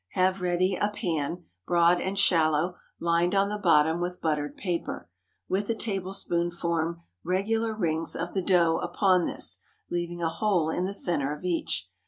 Have ready a pan, broad and shallow, lined on the bottom with buttered paper. With a tablespoon form regular rings of the dough upon this, leaving a hole in the centre of each.